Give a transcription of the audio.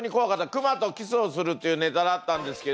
熊とキスをするっていうネタだったんですけど。